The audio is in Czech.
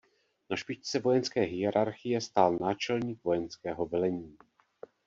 Na špičce vojenské hierarchie stál náčelník vojenského velení.